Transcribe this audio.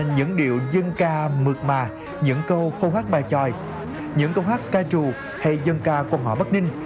những điệu dân ca mượt mà những câu khâu hát bài chòi những câu hát ca trù hay dân ca quần họ bất ninh